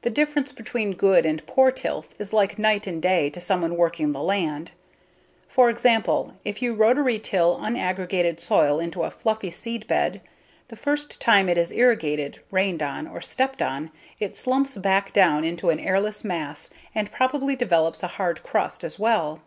The difference between good and poor tilth is like night and day to someone working the land. For example, if you rotary till unaggregated soil into a fluffy seedbed, the first time it is irrigated, rained on, or stepped on it slumps back down into an airless mass and probably develops a hard crust as well.